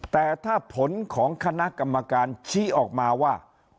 แต่ถ้าผลของคณะกรรมการชี้ออกมาว่า